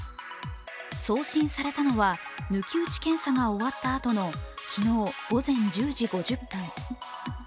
送信されたのは抜き打ち検査が終わったあとの昨日午前１０時５０分。